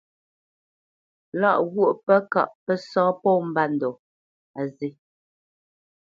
Lâʼ ghwô pə́ kâʼ pə́ sá mbândɔ̂ á zê.